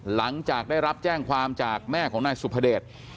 หลังจากได้รับแจ้งความจากแม่ของนายสุภเดช